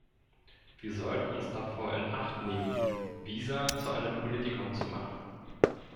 Wir sollten uns davor in Acht nehmen, Visa zu einem Politikum zu machen.